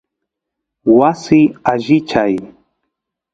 wasi allichay